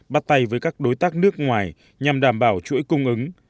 bắt tay với các đối tác nước ngoài nhằm đảm bảo chuỗi cung ứng